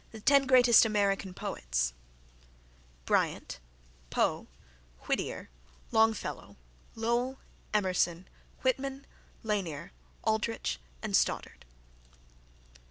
TEN GREATEST AMERICAN POETS Bryant, Poe, Whittier, Longfellow, Lowell, Emerson, Whitman, Lanier, Aldrich and Stoddard.